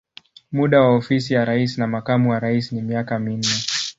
Muda wa ofisi ya rais na makamu wa rais ni miaka minne.